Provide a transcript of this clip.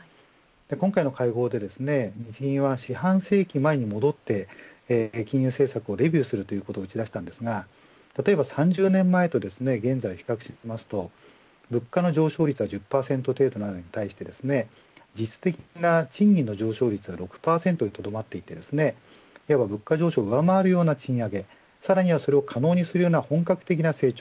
今回の会合で４半世紀前に戻って金融政策をレビューするということを打ち出しましたが例えば３０年前と現在を比較すると物価の上昇率は１０％程度なのに対して実質的な賃金の上昇率は６％でとどまっていて物価上昇を上回るような賃上げさらにはそれを可能にするような本格的な成長